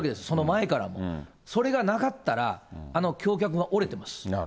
その前からも、それがなかったら、あの橋脚が折れてます。